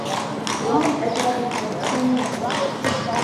وهل أتاك حديث موسى